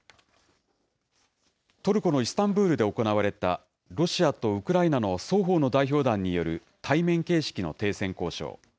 トルコのイスタンブールで行われた、ロシアとウクライナの双方の代表団による対面形式の停戦交渉。